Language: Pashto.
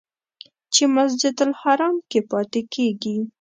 چې مسجدالحرام کې پاتې کېږي.